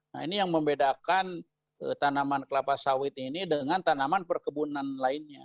nah ini yang membedakan tanaman kelapa sawit ini dengan tanaman perkebunan lainnya